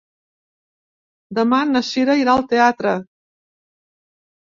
Demà na Sira irà al teatre.